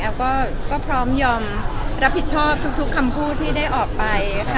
แล้วก็พร้อมยอมรับผิดชอบทุกคำพูดที่ได้ออกไปค่ะ